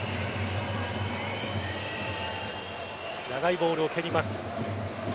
長いボールを蹴ります。